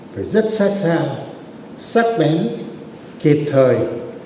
phải rất xa xa sắc bén kịp thời